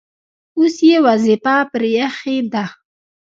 اوس یې وظیفه پرې ایښې ده.